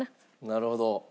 なるほど。